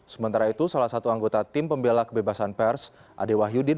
sementara itu salah satu anggota tim pembela kebebasan pers ade wahyudin